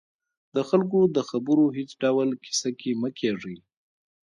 د خلکو د خبرو هېڅ ډول کیسه کې مه کېږئ